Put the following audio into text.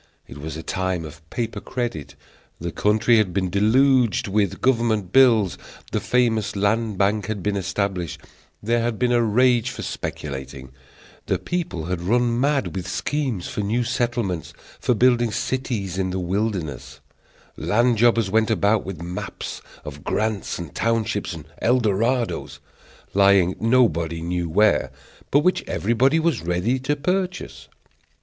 It was a time of paper credit. The country had been deluged with government bills; the famous Land Bank had been established; there had been a rage for speculating; the people had run mad with schemes for new settlements, for building cities in the wilderness; land jobbers went about with maps of grants and townships and Eldorados, lying nobody knew where, but which everybody was ready to purchase.